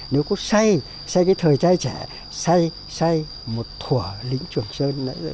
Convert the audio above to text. nếu có say say cái thời trai trẻ say say một thủa lính trường sơ